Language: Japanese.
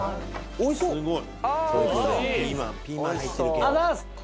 おいしい！